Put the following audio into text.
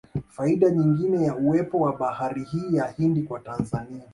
Faida nyingine ya uwepo wa bahari hii ya Hindi kwa Tanzania